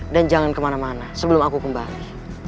dan jangan kemana mana sebelum aku kembali